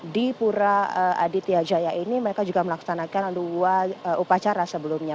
di pura aditya jaya ini mereka juga melaksanakan dua upacara sebelumnya